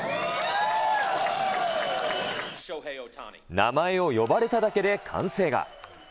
名前を呼ばれただけで歓声が。